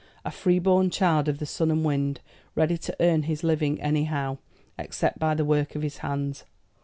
a freeborn child of the sun and wind, ready to earn his living anyhow, except by the work of his hands.